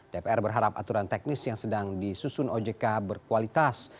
dpr berharap aturan teknis yang sedang disusun ojk berkualitas